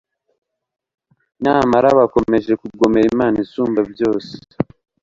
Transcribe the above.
Nyamara bakomeje kugomera Imana Isumbabyose